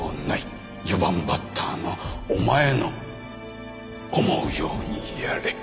四番バッターのお前の思うようにやれ。